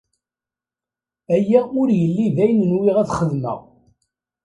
Aya ur yelli d ayen nwiɣ ad t-xedmeɣ.